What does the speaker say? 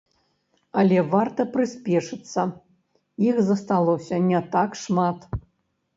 Але варта прыспешыцца, іх засталося не так шмат.